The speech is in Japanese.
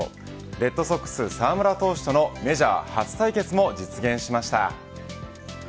レッドソックス澤村投手とのメジャー初対決も実現しました。